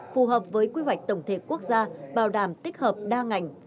phù hợp với quy hoạch tổng thể quốc gia bảo đảm tích hợp đa ngành